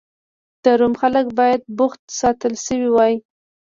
د روم خلک باید بوخت ساتل شوي وای.